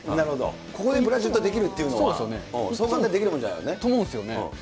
ここでブラジルとできるっていうのは、そう簡単にできるもんじゃないよね。と思うんですよね。